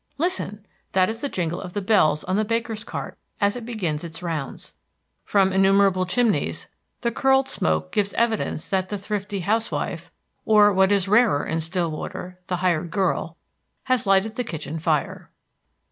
Listen! That is the jingle of the bells on the baker's cart as it begins its rounds. From innumerable chimneys the curdled smoke gives evidence that the thrifty housewife or, what is rarer in Stillwater, the hired girl has lighted the kitchen fire.